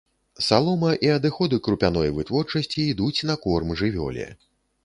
Салома і адыходы крупяной вытворчасці ідуць на корм жывёле.